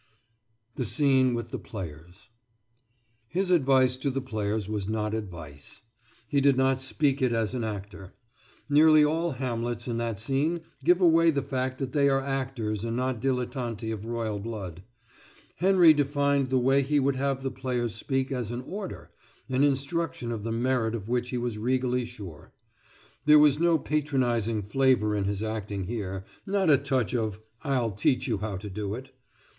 THE SCENE WITH THE PLAYERS His advice to the players was not advice. He did not speak it as an actor. Nearly all Hamlets in that scene give away the fact that they are actors and not dilettanti of royal blood. Henry defined the way he would have the players speak as an order, an instruction of the merit of which he was regally sure. There was no patronising flavour in his acting here, not a touch of "I'11 teach you how to do it."